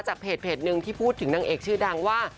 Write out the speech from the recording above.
เพจหนึ่งที่พูดถึงนางเอกชื่อดังว่า